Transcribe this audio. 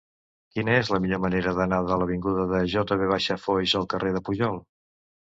Quina és la millor manera d'anar de l'avinguda de J. V. Foix al carrer de Pujol?